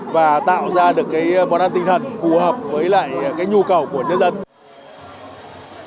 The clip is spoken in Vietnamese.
và tạo ra được món ăn tinh thần phù hợp với nhu cầu của nhân dân